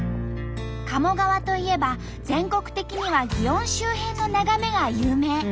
鴨川といえば全国的には園周辺の眺めが有名。